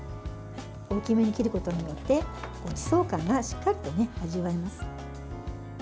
大きめに切ることによってごちそう感がしっかりと味わえます。